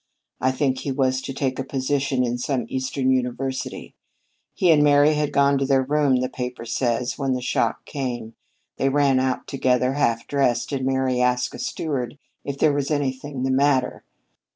I think he was to take a position in some Eastern university. He and Mary had gone to their room, the paper says, when the shock came. They ran out together, half dressed, and Mary asked a steward if there was anything the matter.